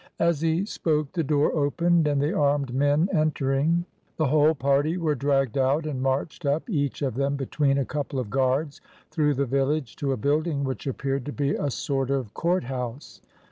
As he spoke the door opened, and the armed men entering, the whole party were dragged out and marched up, each of them between a couple of guards, through the village to a building which appeared to be a sort of courthouse.